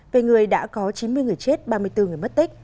về người đã có chín mươi người chết ba mươi bốn người mất tích